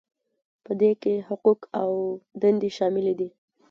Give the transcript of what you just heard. په دې کې حقوق او دندې شاملې دي.